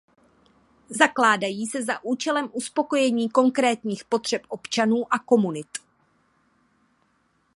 Zakládají se za účelem uspokojení konkrétních potřeb občanů a komunit.